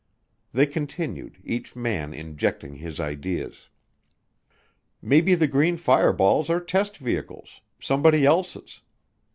They continued, each man injecting his ideas. Maybe the green fireballs are test vehicles somebody else's.